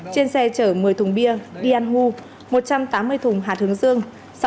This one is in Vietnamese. trên xe chở một mươi thùng bia đi ăn hù một trăm tám mươi thùng hạt hướng dương